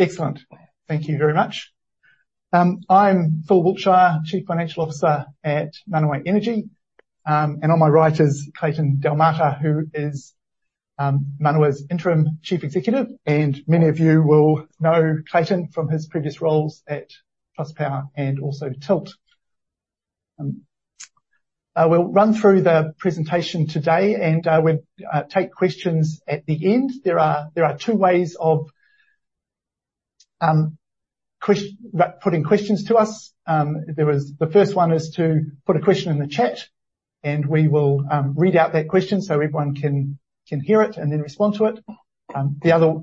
Excellent. Thank you very much. I'm Phil Wiltshire, Chief Financial Officer at Manawa Energy. And on my right is Clayton Delmarter, who is Manawa's interim Chief Executive, and many of you will know Clayton from his previous roles at Trustpower and also Tilt. I will run through the presentation today, and we'll take questions at the end. There are two ways of putting questions to us. The first one is to put a question in the chat, and we will read out that question so everyone can hear it and then respond to it. The other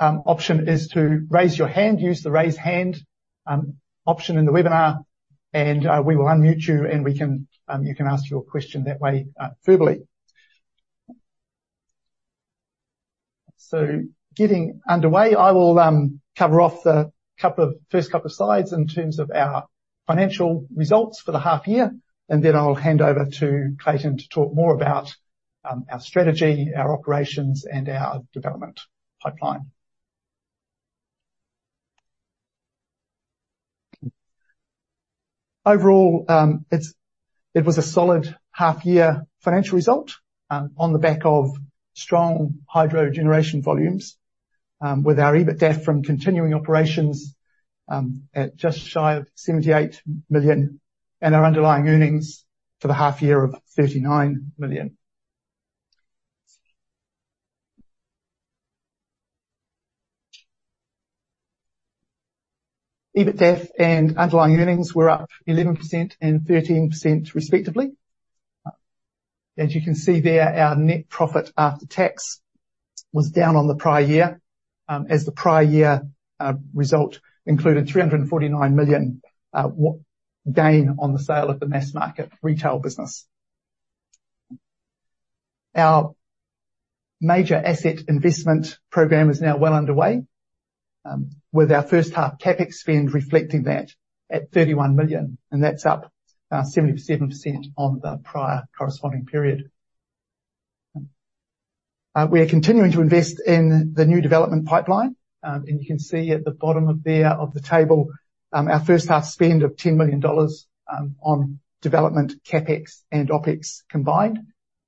option is to raise your hand, use the Raise Hand option in the webinar, and we will unmute you, and you can ask your question that way verbally. So, getting underway, I will cover off the couple of first couple of slides in terms of our financial results for the half year, and then I'll hand over to Clayton to talk more about our strategy, our operations, and our development pipeline. Overall, it's, it was a solid half year financial result on the back of strong hydro generation volumes with our EBITDA from continuing operations at just shy of 78 million, and our underlying earnings for the half year of 39 million. EBITDA and underlying earnings were up 11% and 13%, respectively. As you can see there, our net profit after tax was down on the prior year as the prior year result included 349 million gain on the sale of the mass market retail business. Our major asset investment program is now well underway, with our first half CapEx spend reflecting that at 31 million, and that's up 77% on the prior corresponding period. We are continuing to invest in the new development pipeline. And you can see at the bottom of there, of the table, our first half spend of 10 million dollars on development, CapEx and OpEx combined,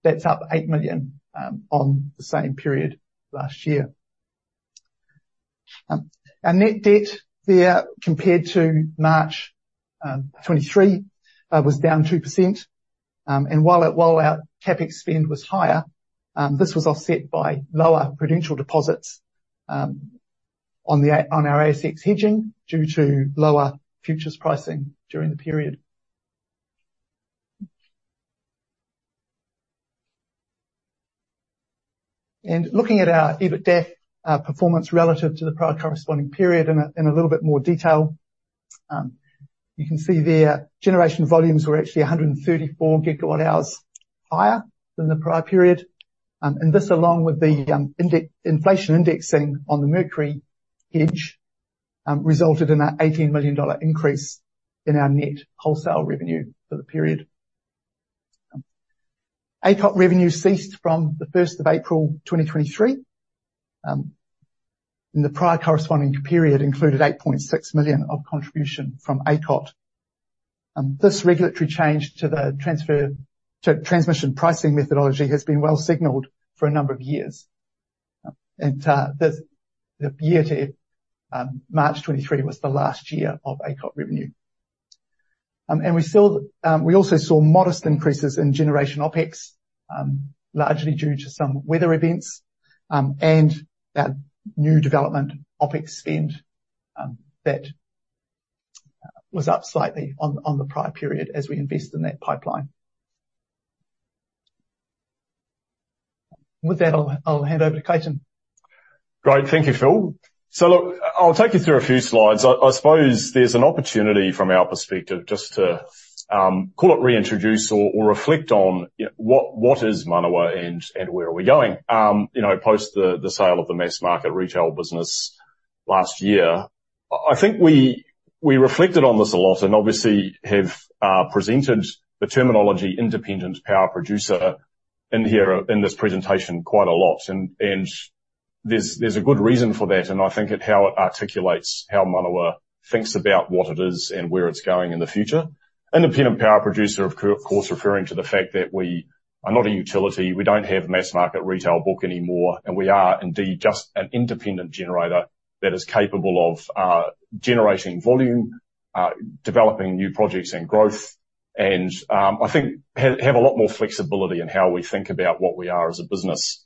that's up 8 million on the same period last year. Our net debt there, compared to March 2023, was down 2%. And while our CapEx spend was higher, this was offset by lower prudential deposits on our ASX hedging due to lower futures pricing during the period. Looking at our EBITDA performance relative to the prior corresponding period in a little bit more detail, you can see there, generation volumes were actually 134 GWh higher than the prior period. And this, along with the index, inflation indexing on the Mercury hedge, resulted in an 18 million dollar increase in our net wholesale revenue for the period. ACOT revenue ceased from the first of April 2023, and the prior corresponding period included 8.6 million of contribution from ACOT. This regulatory change to the transmission pricing methodology has been well signaled for a number of years, and the year to March 2023 was the last year of ACOT revenue. We also saw modest increases in generation OpEx, largely due to some weather events, and that new development OpEx spend that was up slightly on the prior period as we invest in that pipeline. With that, I'll hand over to Clayton. Great. Thank you, Phil. So look, I'll take you through a few slides. I suppose there's an opportunity from our perspective, just to call it reintroduce or reflect on, you know, what is Manawa and where are we going? You know, post the sale of the mass market retail business last year, I think we reflected on this a lot and obviously have presented the terminology independent power producer in here, in this presentation quite a lot. And there's a good reason for that, and I think how it articulates how Manawa thinks about what it is and where it's going in the future. Independent power producer, of course, referring to the fact that we are not a utility, we don't have a mass-market retail book anymore, and we are indeed just an independent generator that is capable of generating volume, developing new projects and growth, and, I think, have a lot more flexibility in how we think about what we are as a business.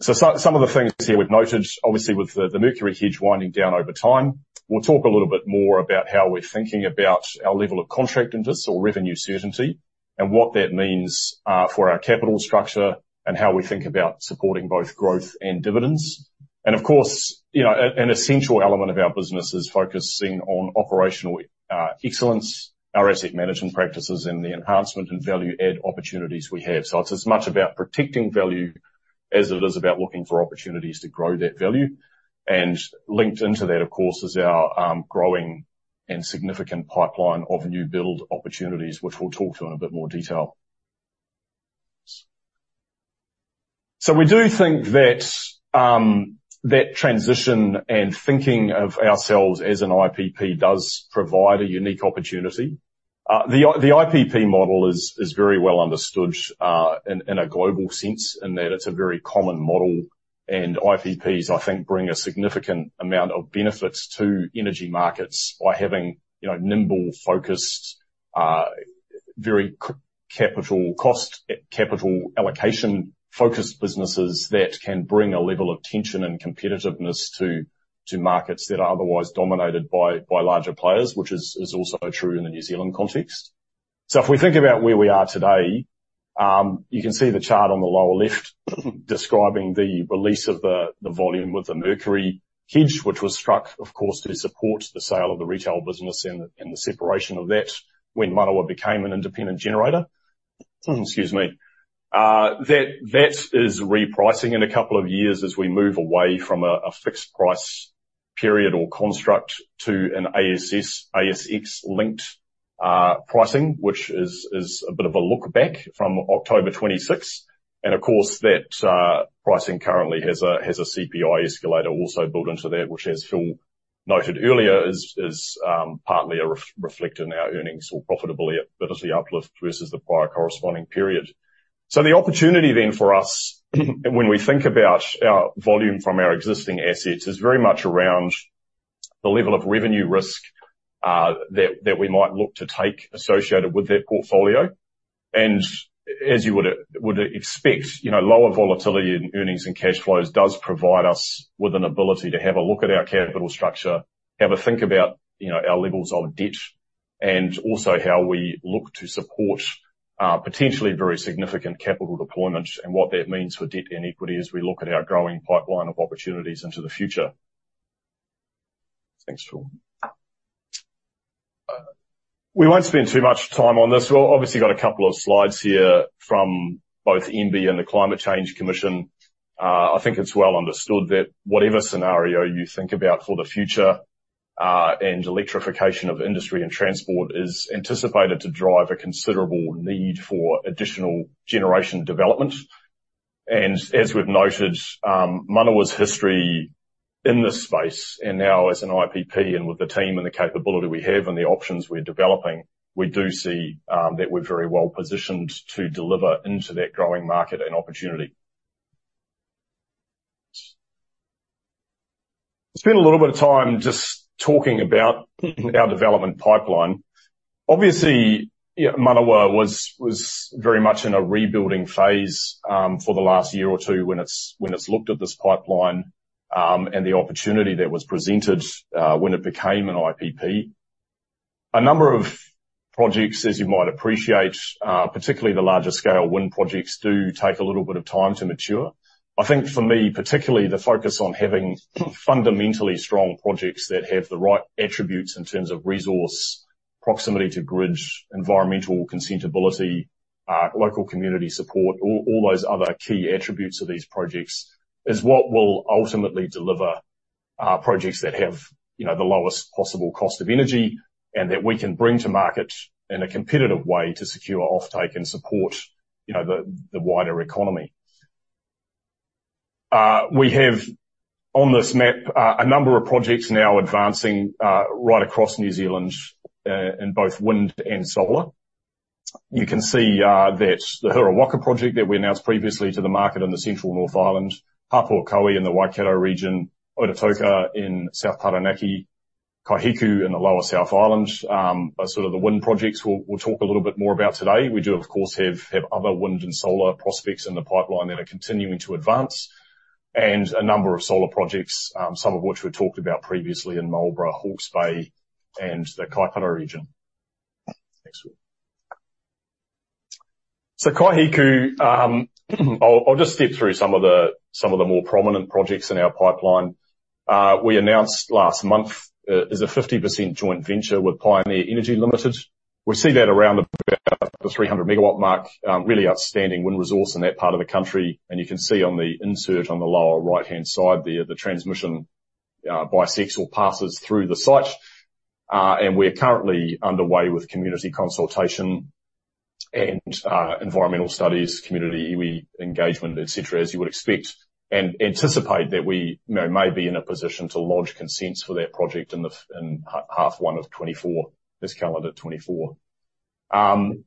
So some of the things here we've noted, obviously with the Mercury hedge winding down over time, we'll talk a little bit more about how we're thinking about our level of contract interest or revenue certainty, and what that means for our capital structure and how we think about supporting both growth and dividends. Of course, you know, an essential element of our business is focusing on operational excellence, our asset management practices, and the enhancement and value add opportunities we have. So it's as much about protecting value as it is about looking for opportunities to grow that value. And linked into that, of course, is our growing and significant pipeline of new build opportunities, which we'll talk to in a bit more detail. So we do think that that transition and thinking of ourselves as an IPP does provide a unique opportunity. The IPP model is very well understood in a global sense, in that it's a very common model, and IPPs, I think, bring a significant amount of benefits to energy markets by having, you know, nimble, focused, very quick capital cost, capital allocation-focused businesses that can bring a level of tension and competitiveness to markets that are otherwise dominated by larger players, which is also true in the New Zealand context. So if we think about where we are today, you can see the chart on the lower left describing the release of the volume with the Mercury hedge, which was struck, of course, to support the sale of the retail business and the separation of that when Manawa became an independent generator. Excuse me. That is repricing in a couple of years as we move away from a fixed price period or construct to an ASX-linked pricing, which is a bit of a look back from October twenty-sixth. And of course, that pricing currently has a CPI escalator also built into that, which, as Phil noted earlier, is partly reflected in our earnings or profitability uplift versus the prior corresponding period. So the opportunity then for us, when we think about our volume from our existing assets, is very much around the level of revenue risk that we might look to take associated with that portfolio. As you would expect, you know, lower volatility in earnings and cash flows does provide us with an ability to have a look at our capital structure, have a think about, you know, our levels of debt, and also how we look to support potentially very significant capital deployment and what that means for debt and equity as we look at our growing pipeline of opportunities into the future. Thanks, Phil. We won't spend too much time on this. We've obviously got a couple of slides here from both MBIE and the Climate Change Commission. I think it's well understood that whatever scenario you think about for the future, and electrification of industry and transport is anticipated to drive a considerable need for additional generation development. As we've noted, Manawa's history in this space, and now as an IPP, and with the team and the capability we have and the options we're developing, we do see that we're very well positioned to deliver into that growing market and opportunity. Spend a little bit of time just talking about our development pipeline. Obviously, Manawa was very much in a rebuilding phase for the last year or two when it's looked at this pipeline, and the opportunity that was presented when it became an IPP. A number of projects, as you might appreciate, particularly the larger scale wind projects, do take a little bit of time to mature. I think for me, particularly the focus on having fundamentally strong projects that have the right attributes in terms of resource, proximity to grid, environmental consent ability, local community support, all, all those other key attributes of these projects, is what will ultimately deliver, projects that have, you know, the lowest possible cost of energy and that we can bring to market in a competitive way to secure offtake and support, you know, the, the wider economy. We have on this map, a number of projects now advancing, right across New Zealand, in both wind and solar. You can see that the Huiramu project that we announced previously to the market in the Central North Island, Hapuakohe in the Waikato region, Ototoka in South Taranaki, Kaihiku in the lower South Island, are sort of the wind projects we'll talk a little bit more about today. We do, of course, have other wind and solar prospects in the pipeline that are continuing to advance, and a number of solar projects, some of which we've talked about previously in Marlborough, Hawke's Bay, and the Kaipara region. Next one. So Kaihiku, I'll just step through some of the more prominent projects in our pipeline. We announced last month is a 50% joint venture with Pioneer Energy Limited. We see that around about the 300 MW mark, really outstanding wind resource in that part of the country, and you can see on the insert on the lower right-hand side there, the transmission bisection passes through the site. We are currently underway with community consultation and environmental studies, community iwi engagement, et cetera, as you would expect, and anticipate that we, you know, may be in a position to lodge consents for that project in the first half of 2024, this calendar 2024.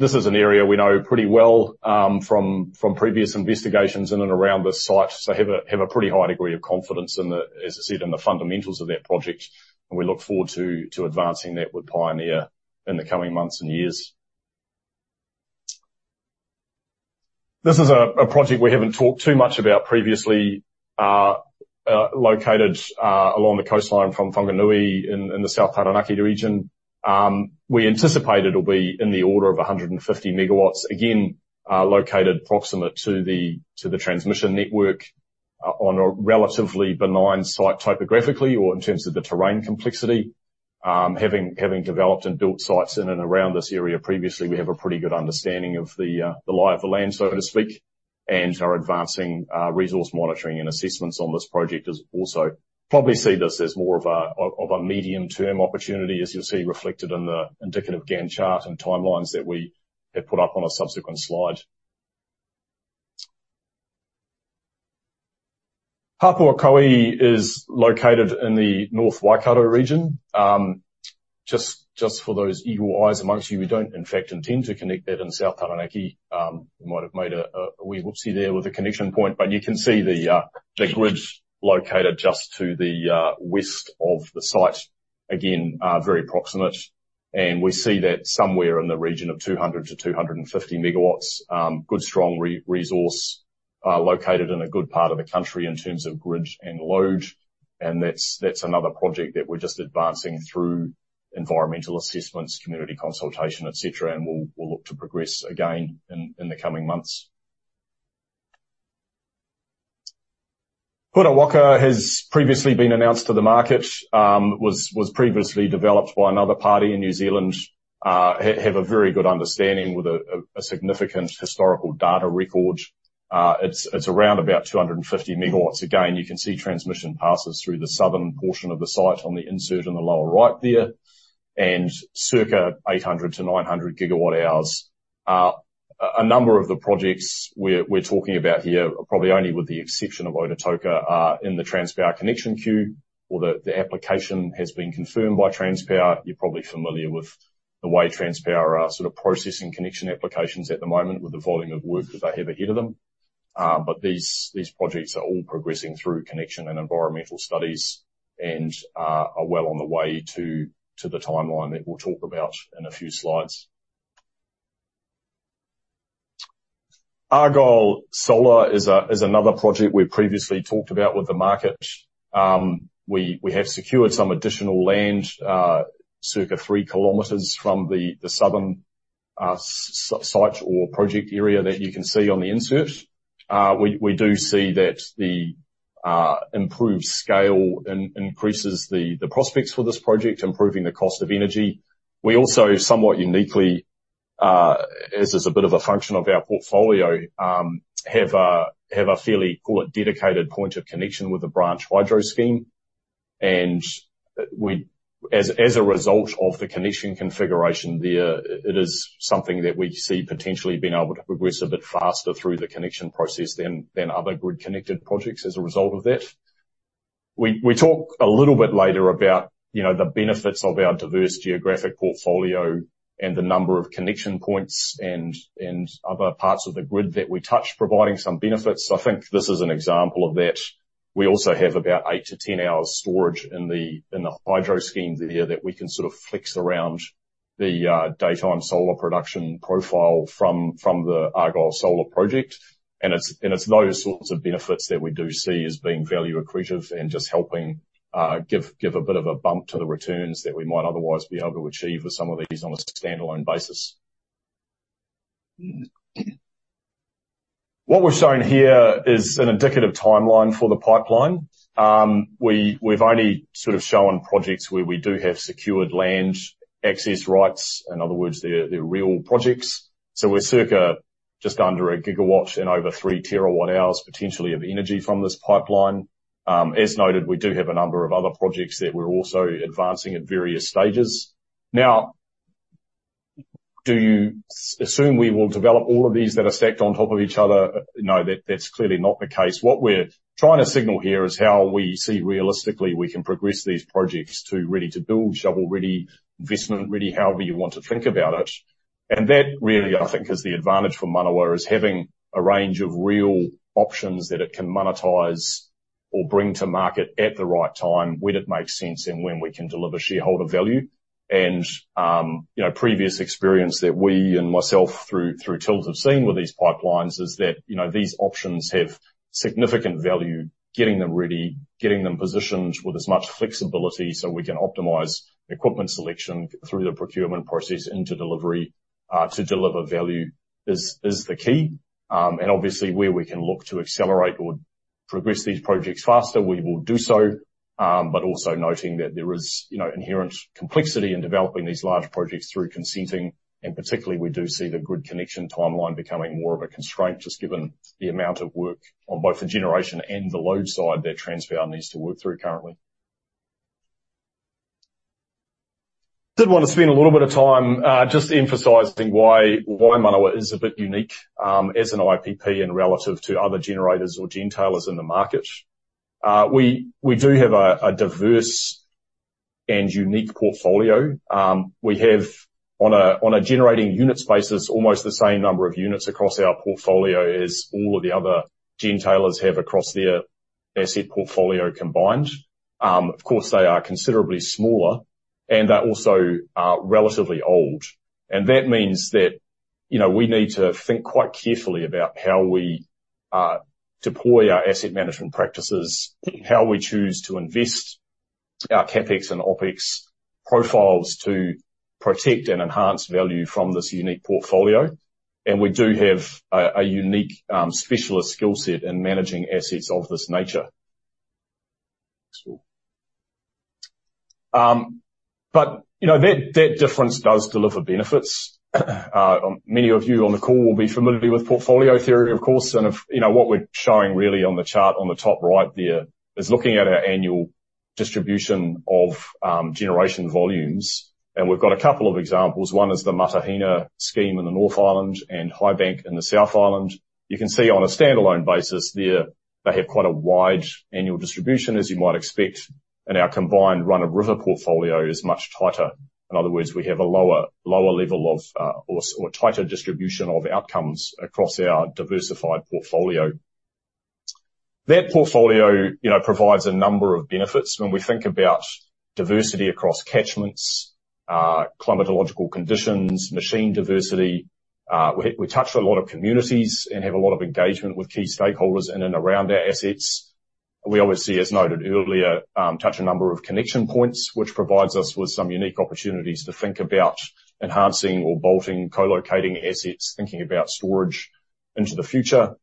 This is an area we know pretty well, from previous investigations in and around this site, so have a pretty high degree of confidence in the, as I said, in the fundamentals of that project, and we look forward to advancing that with Pioneer in the coming months and years. This is a project we haven't talked too much about previously, located along the coastline from Whanganui in the South Taranaki region. We anticipate it'll be in the order of 150 MW, again, located proximate to the transmission network, on a relatively benign site, topographically or in terms of the terrain complexity. Having developed and built sites in and around this area previously, we have a pretty good understanding of the lie of the land, so to speak, and are advancing resource monitoring and assessments on this project is also probably see this as more of a medium-term opportunity, as you'll see reflected in the indicative Gantt chart and timelines that we have put up on a subsequent slide. Hapuakohe is located in the North Waikato region. Just, just for those eagle eyes amongst you, we don't in fact intend to connect that in South Taranaki. We might have made a wee whoopsie there with the connection point, but you can see the grid located just to the west of the site. Again, very approximate, and we see that somewhere in the region of 200-250 MW. Good, strong resource located in a good part of the country in terms of grid and load, and that's, that's another project that we're just advancing through environmental assessments, community consultation, et cetera, and we'll, we'll look to progress again in the coming months. Puketoi has previously been announced to the market, was previously developed by another party in New Zealand. Have a very good understanding with a significant historical data record. It's around about 250 MW. Again, you can see transmission passes through the southern portion of the site on the insert in the lower right there, and circa 800-900 GWh. A number of the projects we're talking about here, probably only with the exception of Ototoka, are in the Transpower connection queue or the application has been confirmed by Transpower. You're probably familiar with the way Transpower are sort of processing connection applications at the moment with the volume of work that they have ahead of them. But these projects are all progressing through connection and environmental studies and are well on the way to the timeline that we'll talk about in a few slides. Argyle Solar is another project we previously talked about with the market. We have secured some additional land, circa 3 km from the southern site or project area that you can see on the insert. We do see that the improved scale increases the prospects for this project, improving the cost of energy. We also, somewhat uniquely, as is a bit of a function of our portfolio, have a fairly, call it, dedicated point of connection with the Branch Hydro Scheme, and as a result of the connection configuration there, it is something that we see potentially being able to progress a bit faster through the connection process than other grid-connected projects as a result of that. We talk a little bit later about, you know, the benefits of our diverse geographic portfolio and the number of connection points and other parts of the grid that we touch, providing some benefits. I think this is an example of that. We also have about 8-10 hours storage in the hydro scheme there, that we can sort of flex around the daytime solar production profile from the Argyle Solar project. And it's those sorts of benefits that we do see as being value accretive and just helping give a bit of a bump to the returns that we might otherwise be able to achieve with some of these on a standalone basis. What we're showing here is an indicative timeline for the pipeline. We've only sort of shown projects where we do have secured land access rights. In other words, they're real projects. So we're circa just under 1 gigawatt and over 3 terawatt hours, potentially, of energy from this pipeline. As noted, we do have a number of other projects that we're also advancing at various stages. Now, do you assume we will develop all of these that are stacked on top of each other? No, that's clearly not the case. What we're trying to signal here is how we see realistically we can progress these projects to ready-to-build, shovel-ready, investment ready, however you want to think about it. And that really, I think, is the advantage for Manawa, is having a range of real options that it can monetize or bring to market at the right time, when it makes sense, and when we can deliver shareholder value. And, you know, previous experience that we and myself, through Tilt have seen with these pipelines is that, you know, these options have significant value. Getting them ready, getting them positioned with as much flexibility so we can optimize equipment selection through the procurement process into delivery, to deliver value is the key. And obviously, where we can look to accelerate or progress these projects faster, we will do so. But also noting that there is, you know, inherent complexity in developing these large projects through consenting, and particularly, we do see the grid connection timeline becoming more of a constraint, just given the amount of work on both the generation and the load side that Transpower needs to work through currently. Did want to spend a little bit of time just emphasizing why Manawa is a bit unique as an IPP and relative to other generators or gentailers in the market. We do have a diverse and unique portfolio. We have on a generating unit basis, almost the same number of units across our portfolio as all of the other gentailers have across their asset portfolio combined. Of course, they are considerably smaller, and they're also relatively old. And that means that, you know, we need to think quite carefully about how we deploy our asset management practices, how we choose to invest our CapEx and OpEx profiles to protect and enhance value from this unique portfolio, and we do have a unique specialist skill set in managing assets of this nature. Cool. But, you know, that difference does deliver benefits. Many of you on the call will be familiar with portfolio theory, of course, and, you know, what we're showing really on the chart on the top right there is looking at our annual distribution of generation volumes, and we've got a couple of examples. One is the Matahina scheme in the North Island and Highbank in the South Island. You can see on a standalone basis there, they have quite a wide annual distribution, as you might expect, and our combined run-of-river portfolio is much tighter. In other words, we have a lower level of or tighter distribution of outcomes across our diversified portfolio. That portfolio, you know, provides a number of benefits when we think about diversity across catchments, climatological conditions, machine diversity. We touch a lot of communities and have a lot of engagement with key stakeholders in and around our assets. We obviously, as noted earlier, touch a number of connection points, which provides us with some unique opportunities to think about enhancing or bolting, co-locating assets, thinking about storage into the future.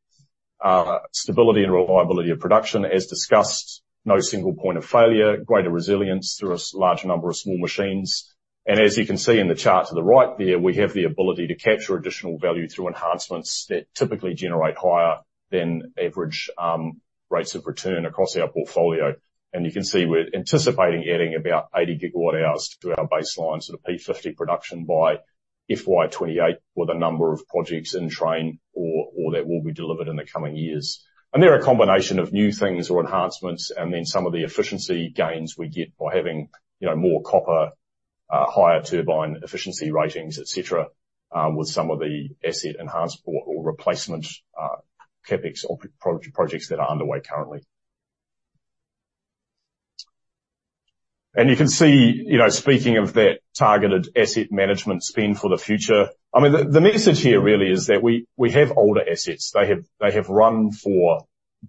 Stability and reliability of production, as discussed, no single point of failure, greater resilience through a large number of small machines, and as you can see in the chart to the right there, we have the ability to capture additional value through enhancements that typically generate higher than average rates of return across our portfolio. You can see we're anticipating adding about 80 GWh to our baseline, sort of P50 production by FY 2028, with a number of projects in train or that will be delivered in the coming years. They're a combination of new things or enhancements, and then some of the efficiency gains we get by having, you know, more copper, higher turbine efficiency ratings, et cetera, with some of the asset enhancement or replacement CapEx or OpEx projects that are underway currently. You can see, you know, speaking of that targeted asset management spend for the future, I mean, the message here really is that we have older assets. They have run for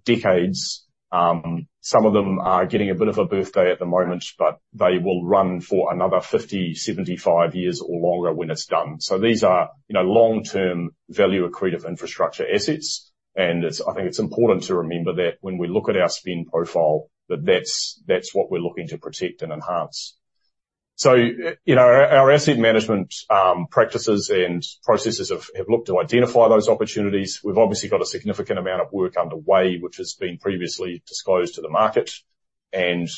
decades. Some of them are getting a bit of a birthday at the moment, but they will run for another 50-75 years or longer when it's done. So these are, you know, long-term value accretive infrastructure assets, and it's... I think it's important to remember that when we look at our spend profile, that that's what we're looking to protect and enhance. So, you know, our asset management practices and processes have looked to identify those opportunities. We've obviously got a significant amount of work underway, which has been previously disclosed to the market, and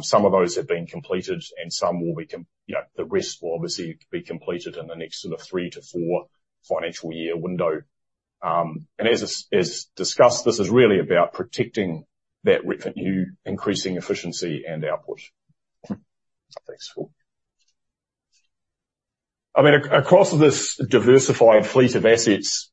some of those have been completed and some will be, you know, the rest will obviously be completed in the next sort of 3-4 financial year window. And as is, as discussed, this is really about protecting that revenue, increasing efficiency, and output. Thanks, Phil. I mean, across this diversified fleet of assets,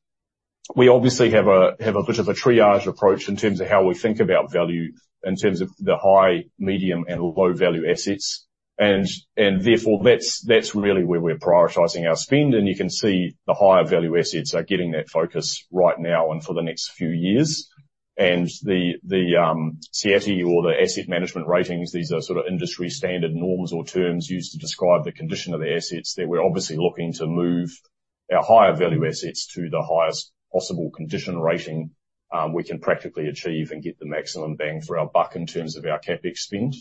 we obviously have a, have a bit of a triage approach in terms of how we think about value, in terms of the high, medium, and low value assets, and, and therefore, that's, that's really where we're prioritizing our spend, and you can see the higher value assets are getting that focus right now and for the next few years. The CIET or the asset management ratings, these are sort of industry standard norms or terms used to describe the condition of the assets, that we're obviously looking to move our higher value assets to the highest possible condition rating, we can practically achieve and get the maximum bang for our buck in terms of our CapEx spend.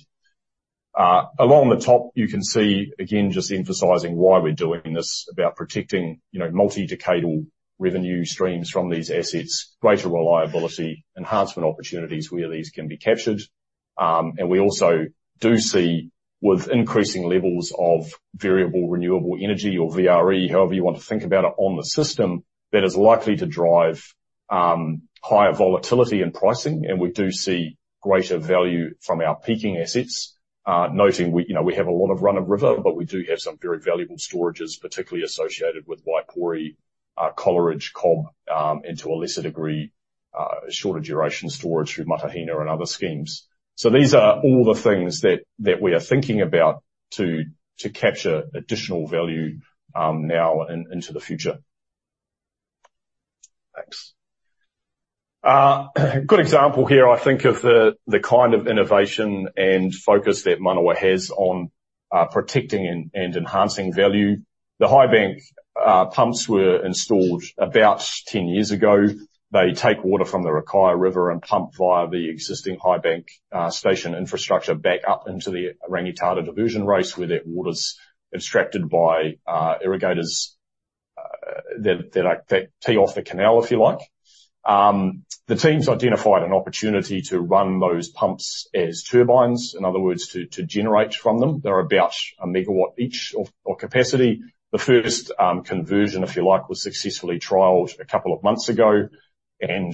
Along the top, you can see, again, just emphasizing why we're doing this, about protecting, you know, multi-decadal revenue streams from these assets, greater reliability, enhancement opportunities where these can be captured. We also do see, with increasing levels of variable renewable energy or VRE, however you want to think about it, on the system, that is likely to drive higher volatility in pricing, and we do see greater value from our peaking assets. Noting we, you know, we have a lot of run-of-river, but we do have some very valuable storages, particularly associated with Waipori, Coleridge, Cobb, and to a lesser degree, shorter duration storage through Matahina and other schemes. So these are all the things that we are thinking about to capture additional value, now and into the future. Thanks. Good example here, I think, of the kind of innovation and focus that Manawa has on protecting and enhancing value. The Highbank pumps were installed about 10 years ago. They take water from the Rakaia River and pump via the existing Highbank station infrastructure back up into the Rangitata Diversion Race, where that water's abstracted by irrigators that tee off the canal, if you like. The teams identified an opportunity to run those pumps as turbines, in other words, to generate from them. They're about a megawatt each or capacity. The first conversion, if you like, was successfully trialed a couple of months ago, and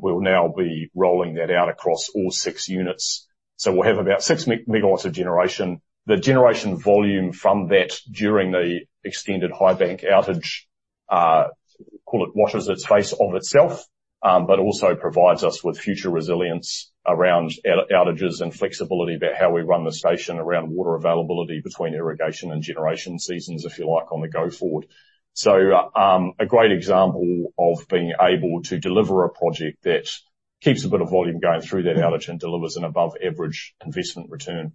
we'll now be rolling that out across all six units. So we'll have about six megawatts of generation. The generation volume from that during the extended Highbank outage, call it, washes its face of itself, but also provides us with future resilience around outages and flexibility about how we run the station around water availability between irrigation and generation seasons, if you like, on the go forward. So, a great example of being able to deliver a project that keeps a bit of volume going through that outage and delivers an above average investment return.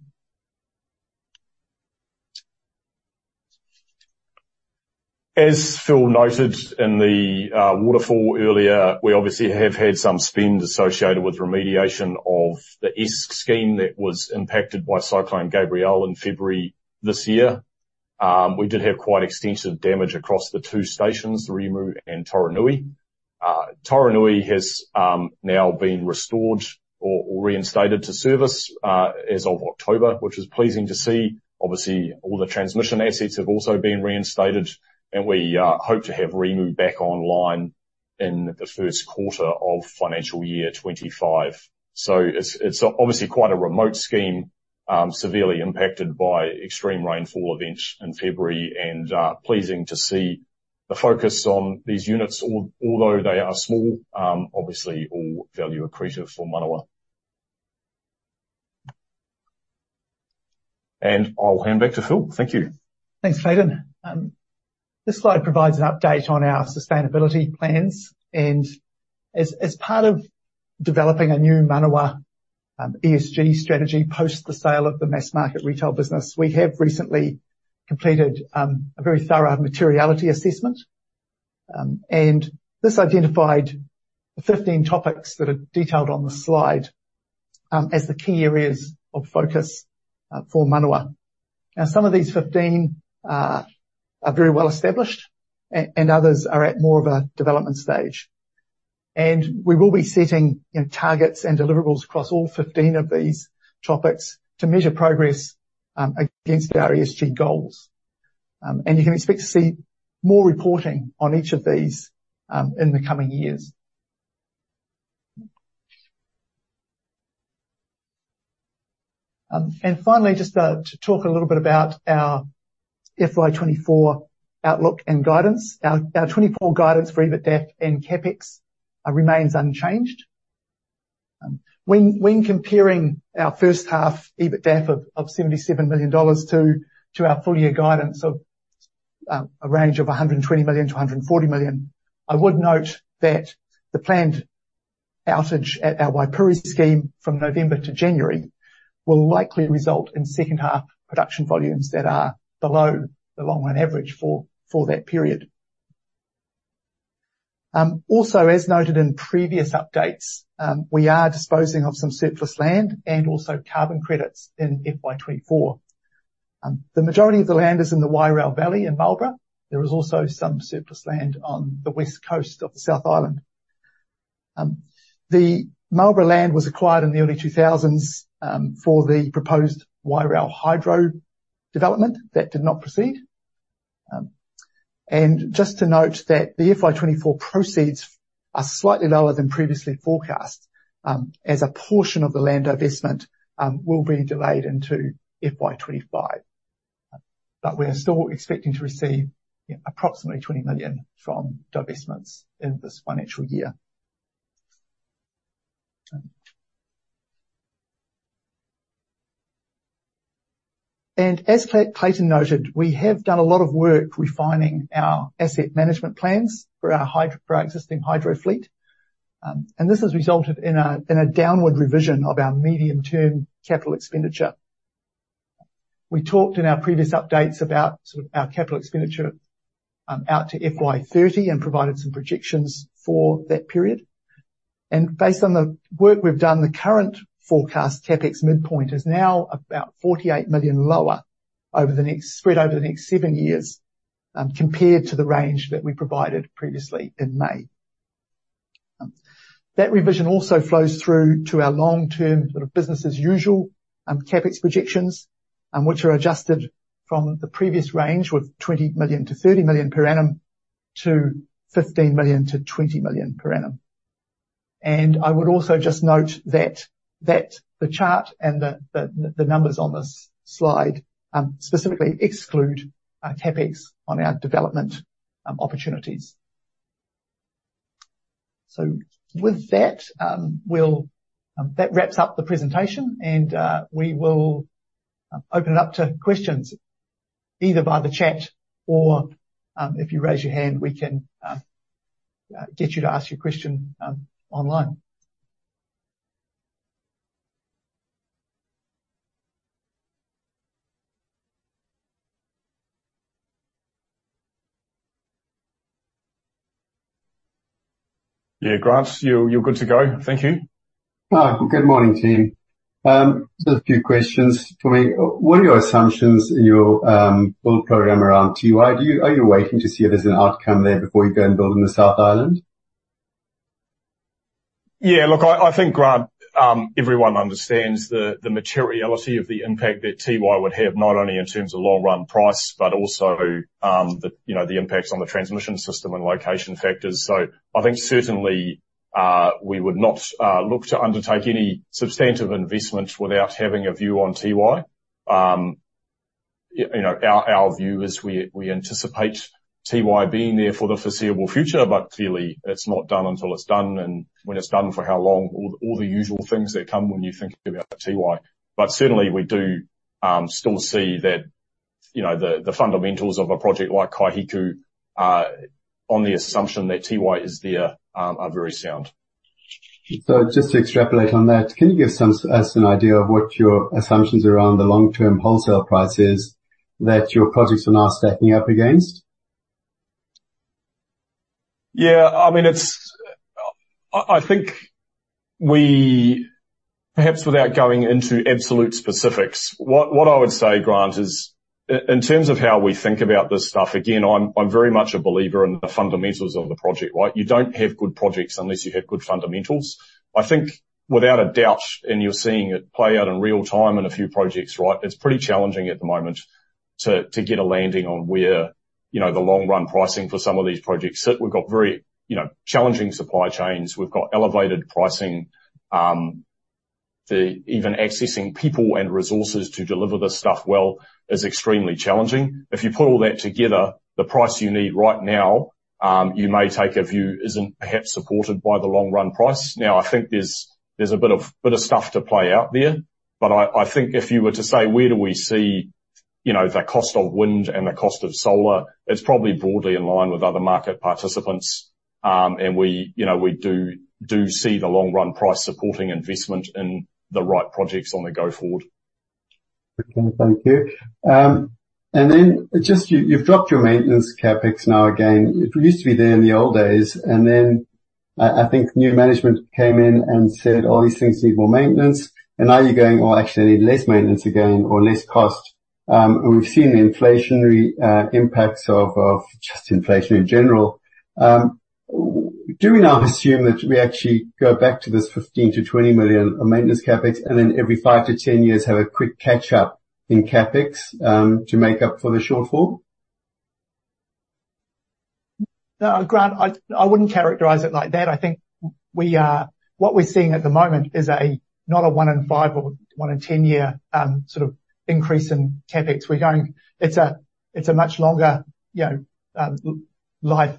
As Phil noted in the waterfall earlier, we obviously have had some spend associated with remediation of the Esk Scheme that was impacted by Cyclone Gabrielle in February this year. We did have quite extensive damage across the two stations, Rimu and Toronui. Toronui has now been restored or reinstated to service as of October, which is pleasing to see. Obviously, all the transmission assets have also been reinstated, and we hope to have Rimu back online in the first quarter of financial year 2025. So it's obviously quite a remote scheme, severely impacted by extreme rainfall events in February, and pleasing to see the focus on these units, although they are small, obviously all value accretive for Manawa. And I'll hand back to Phil. Thank you. Thanks, Clayton. This slide provides an update on our sustainability plans, and as part of developing a new Manawa ESG strategy post the sale of the mass market retail business, we have recently completed a very thorough materiality assessment. This identified the 15 topics that are detailed on the slide as the key areas of focus for Manawa. Now, some of these 15 are very well established, and others are at more of a development stage. We will be setting, you know, targets and deliverables across all 15 of these topics to measure progress against our ESG goals. You can expect to see more reporting on each of these in the coming years. Finally, just to talk a little bit about our FY 2024 outlook and guidance. Our 2024 guidance for EBITDAF and CapEx remains unchanged. When comparing our first half EBITDAF of 77 million dollars to our full year guidance of a range of 120 million-140 million, I would note that the planned outage at our Waipori scheme from November to January will likely result in second half production volumes that are below the long-run average for that period. Also, as noted in previous updates, we are disposing of some surplus land and also carbon credits in FY 2024. The majority of the land is in the Wairau Valley in Marlborough. There is also some surplus land on the West Coast of the South Island. The Marlborough land was acquired in the early 2000s for the proposed Wairau hydro development that did not proceed. Just to note that the FY 2024 proceeds are slightly lower than previously forecast, as a portion of the land divestment will be delayed into FY 2025. But we are still expecting to receive, you know, approximately 20 million from divestments in this financial year. As Clayton noted, we have done a lot of work refining our asset management plans for our hydro, for our existing hydro fleet. And this has resulted in a downward revision of our medium-term capital expenditure. We talked in our previous updates about sort of our capital expenditure out to FY 2030 and provided some projections for that period. Based on the work we've done, the current forecast CapEx midpoint is now about 48 million lower spread over the next seven years, compared to the range that we provided previously in May. That revision also flows through to our long-term, sort of business as usual, CapEx projections, and which are adjusted from the previous range of 20 million-30 million per annum, to 15 million-20 million per annum. I would also just note that the chart and the numbers on this slide specifically exclude CapEx on our development opportunities. So with that, we'll... That wraps up the presentation, and we will open it up to questions, either via the chat or, if you raise your hand, we can get you to ask your question, online. Yeah, Grant, you're good to go. Thank you. Hi. Good morning, team. Just a few questions for me. What are your assumptions in your build program around Tiwai? Are you waiting to see if there's an outcome there before you go and build in the South Island? Yeah, look, I think, Grant, everyone understands the materiality of the impact that Tiwai would have, not only in terms of long-run price, but also, you know, the impacts on the transmission system and location factors. So I think certainly, we would not look to undertake any substantive investment without having a view on Tiwai. You know, our view is we anticipate Tiwai being there for the foreseeable future, but clearly it's not done until it's done, and when it's done, for how long? All the usual things that come when you think about Tiwai. But certainly we do still see that, you know, the fundamentals of a project like Kaihiku are on the assumption that Tiwai is there, are very sound. Just to extrapolate on that, can you give us an idea of what your assumptions around the long-term wholesale price is, that your projects are now stacking up against? Yeah, I mean, it's I think we perhaps without going into absolute specifics, what I would say, Grant, is in terms of how we think about this stuff, again, I'm very much a believer in the fundamentals of the project, right? You don't have good projects unless you have good fundamentals. I think without a doubt, and you're seeing it play out in real time in a few projects, right? It's pretty challenging at the moment to get a landing on where, you know, the long run pricing for some of these projects sit. We've got very, you know, challenging supply chains. We've got elevated pricing. The even accessing people and resources to deliver this stuff well is extremely challenging. If you put all that together, the price you need right now, you may take a view isn't perhaps supported by the long run price. Now, I think there's a bit of stuff to play out there, but I think if you were to say, where do we see, you know, the cost of wind and the cost of solar? It's probably broadly in line with other market participants. And we, you know, we do see the long run price supporting investment in the right projects on the go forward. Okay, thank you. And then just you, you've dropped your maintenance CapEx now again, it used to be there in the old days, and then I think new management came in and said, all these things need more maintenance, and now you're going, "Well, actually, I need less maintenance again or less cost." And we've seen the inflationary impacts of just inflation in general. Do we now assume that we actually go back to this 15 million-20 million on maintenance CapEx, and then every 5-10 years have a quick catch-up in CapEx to make up for the shortfall? No, Grant, I wouldn't characterize it like that. I think what we're seeing at the moment is not a one in 5 or one in 10 year sort of increase in CapEx. We're going. It's a much longer, you know, life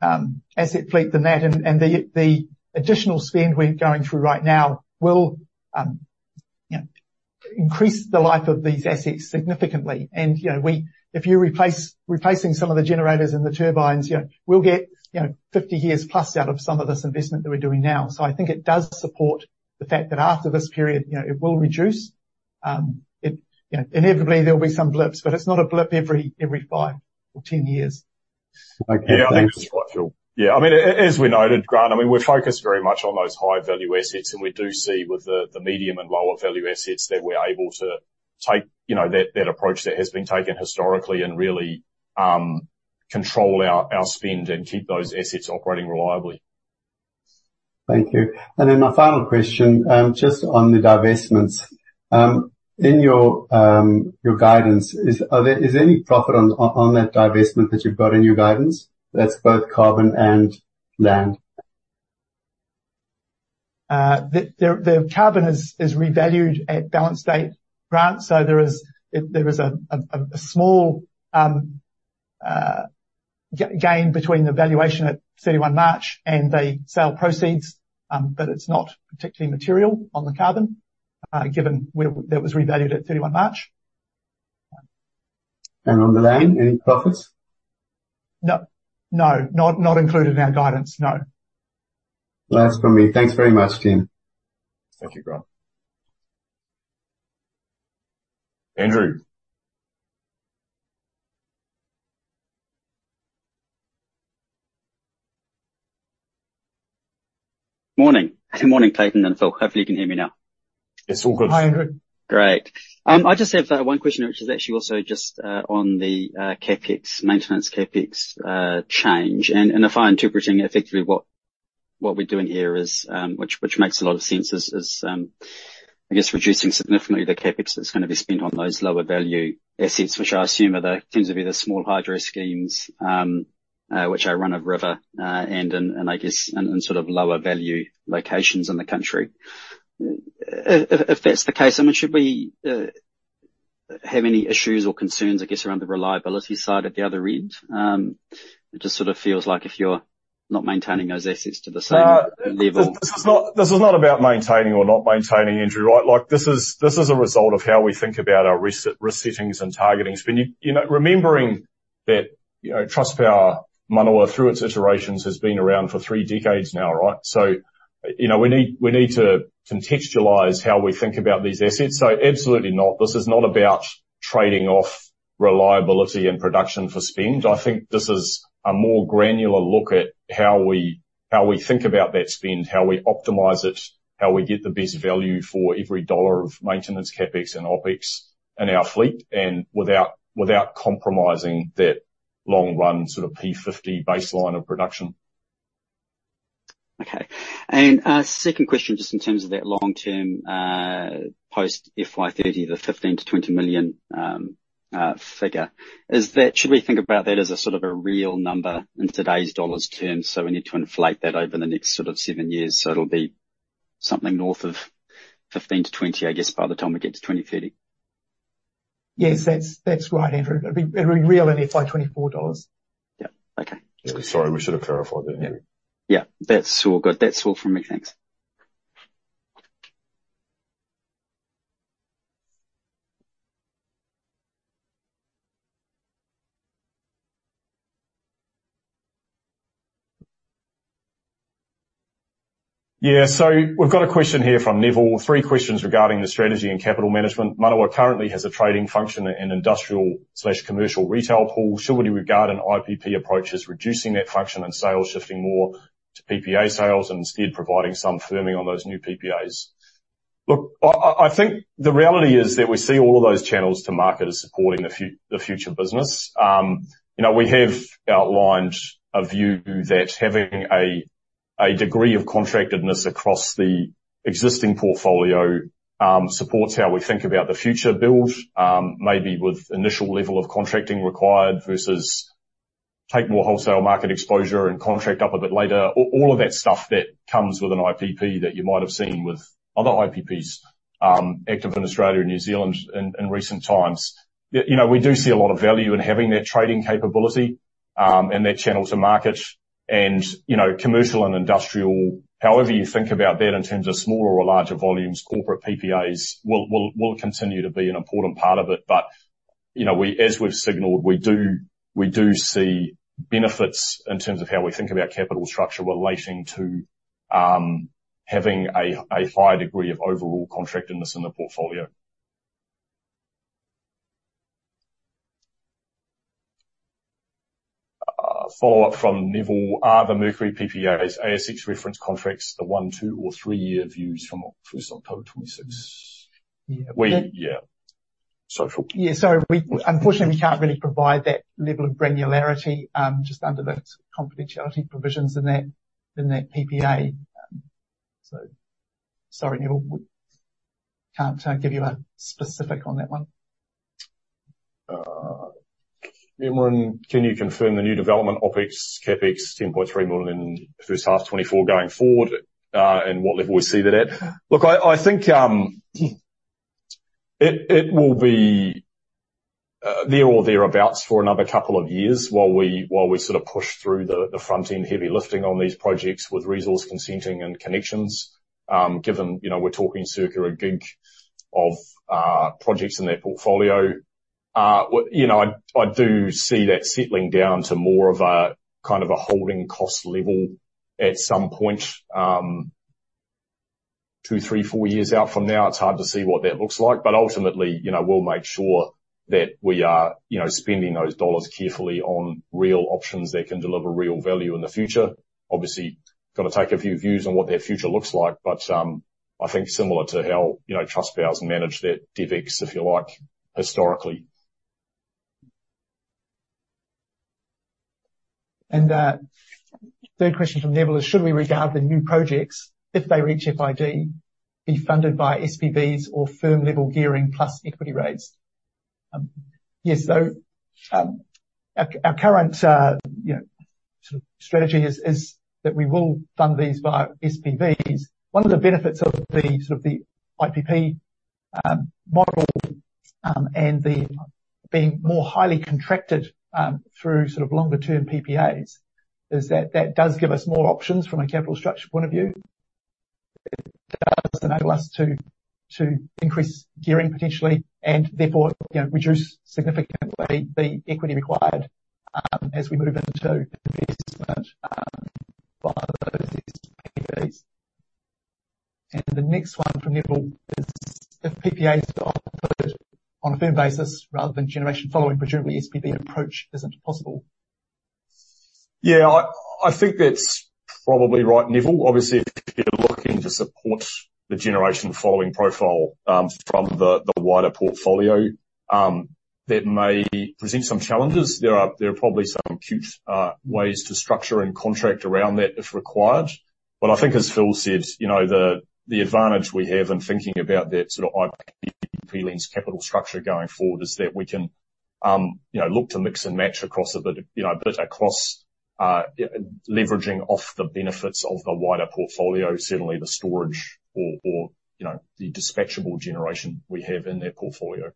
asset fleet than that. And the additional spend we're going through right now will, you know, increase the life of these assets significantly. And, you know, if you replace some of the generators and the turbines, you know, we'll get, you know, 50 years plus out of some of this investment that we're doing now. So I think it does support the fact that after this period, you know, it will reduce. It, you know, inevitably there'll be some blips, but it's not a blip every 5 or 10 years. Okay. Yeah, I think that's right, Phil. Yeah, I mean, as we noted, Grant, I mean, we're focused very much on those high-value assets, and we do see with the medium and lower value assets, that we're able to take, you know, that approach that has been taken historically and really, control our spend and keep those assets operating reliably. Thank you. And then my final question, just on the divestments. In your guidance, is there any profit on that divestment that you've got in your guidance? That's both carbon and land? The carbon is revalued at balance date, Grant, so there is a small gain between the valuation at 31 March and the sale proceeds, but it's not particularly material on the carbon, given where that was revalued at 31 March. On the land, any profits? No. No, not included in our guidance, no. Last from me. Thanks very much, team. Thank you, Grant. Andrew? Morning. Good morning, Clayton and Phil. Hopefully, you can hear me now. It's all good. Hi, Andrew. Great. I just have one question, which is actually also just on the CapEx, maintenance CapEx change. And if I'm interpreting effectively what we're doing here is, which makes a lot of sense, is I guess reducing significantly the CapEx that's gonna be spent on those lower value assets, which I assume are the tends to be the small hydro schemes, which are run a river, and I guess sort of lower value locations in the country. If that's the case, I mean, should we have any issues or concerns, I guess, around the reliability side at the other end? It just sort of feels like if you're not maintaining those assets to the same level- No, this is not, this is not about maintaining or not maintaining, Andrew, right? Like, this is, this is a result of how we think about our risk, risk settings and targeting. When you... You know, remembering that, you know, TrustPower Manawa, through its iterations, has been around for three decades now, right? So, you know, we need, we need to contextualize how we think about these assets. So absolutely not. This is not about trading off reliability and production for spend. I think this is a more granular look at how we, how we think about that spend, how we optimize it, how we get the best value for every dollar of maintenance, CapEx, and OpEx in our fleet, and without, without compromising that long run, sort of P50 baseline of production. Okay. And, second question, just in terms of that long-term, post FY 30, the 15 million-20 million figure. Is that, should we think about that as a sort of a real number in today's dollars terms, so we need to inflate that over the next sort of seven years, so it'll be something north of 15 million-20 million, I guess, by the time we get to 2030? Yes, that's right, Andrew. It'll be real in FY 2024 dollars. Yep, okay. Sorry, we should have clarified that, Andrew. Yeah, that's all good. That's all from me. Thanks. Yeah, so we've got a question here from Neville. Three questions regarding the strategy and capital management. Manawa currently has a trading function in industrial/commercial retail pool. Should we regard an IPP approach as reducing that function and sales shifting more to PPA sales, and instead providing some firming on those new PPAs? Look, I think the reality is that we see all of those channels to market as supporting the future business. You know, we have outlined a view that having a degree of contractedness across the existing portfolio supports how we think about the future build, maybe with initial level of contracting required versus take more wholesale market exposure and contract up a bit later. All of that stuff that comes with an IPP that you might have seen with other IPPs, active in Australia and New Zealand in recent times. You know, we do see a lot of value in having that trading capability, and that channel to market and, you know, commercial and industrial, however you think about that, in terms of smaller or larger volumes, corporate PPAs will, will, will continue to be an important part of it. But, you know, as we've signaled, we do, we do see benefits in terms of how we think about capital structure relating to, having a higher degree of overall contractedness in the portfolio. Follow-up from Neville: Are the Mercury PPAs ASX reference contracts, the 1-, 2-, or 3-year views from October 2026? Yeah. We, yeah. Sorry, Phil. Yeah, so unfortunately, we can't really provide that level of granularity just under the confidentiality provisions in that PPA. So sorry, Neville, we can't give you a specific on that one. Then when can you confirm the new development OpEx, CapEx 10.3 million in the first half 2024 going forward, and what level we see that at? Look, I, I think, it, it will be there or thereabouts for another couple of years while we, while we sort of push through the, the front-end heavy lifting on these projects with resource consenting and connections. Given, you know, we're talking circa 1 GW of projects in that portfolio. You know, I, I do see that settling down to more of a, kind of, a holding cost level at some point. 2, 3, 4 years out from now, it's hard to see what that looks like, but ultimately, you know, we'll make sure that we are, you know, spending those dollars carefully on real options that can deliver real value in the future. Obviously, got to take a few views on what that future looks like, but, I think similar to how, you know, Trustpower's managed that devex, if you like, historically. Third question from Neville is: Should we regard the new projects, if they reach FID, be funded by SPVs or firm-level gearing plus equity rates? Yes, so, our current, you know, sort of strategy is that we will fund these via SPVs. One of the benefits of the, sort of, the IPP model, and the being more highly contracted, through sort of longer-term PPAs, is that that does give us more options from a capital structure point of view. It does enable us to increase gearing potentially, and therefore, you know, reduce significantly the equity required, as we move into investment via those SPVs. And the next one from Neville is: If PPAs are offered on a firm basis rather than generation following presumably SPV approach, is it possible? Yeah, I think that's probably right, Neville. Obviously, if you're looking to support the generation following profile from the wider portfolio, that may present some challenges. There are probably some cute ways to structure and contract around that if required. But I think as Phil said, you know, the advantage we have in thinking about that sort of IPP lens capital structure going forward is that we can look to mix and match across a bit, you know, a bit across, leveraging off the benefits of the wider portfolio, certainly the storage or, you know, the dispatchable generation we have in that portfolio.